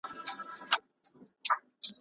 زاغان خو پرېږده سره ګلونه مو باغوان پټوي